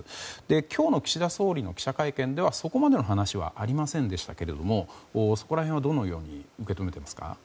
今日の岸田総理の記者会見ではそこまでの話はありませんでしたがそこら辺はどのように受け止めていますか。